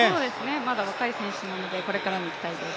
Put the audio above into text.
まだ若い選手なのでこれからに期待です。